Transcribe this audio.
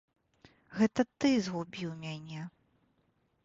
Гэта ты згубіў мяне!